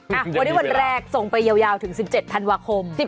วันนี้วันแรกส่งไปยาวถึง๑๗ธันวาคม